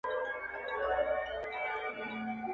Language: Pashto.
کلونه کېږي له زندانه اواز نه راوزي-